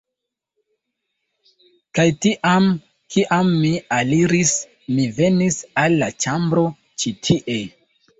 Kaj tiam, kiam mi aliris, mi venis al la ĉambro ĉi tie